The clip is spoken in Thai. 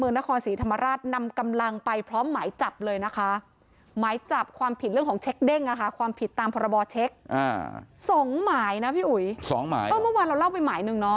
เมื่อวานเราเล่าไปใหม่หนึ่งเนี่ย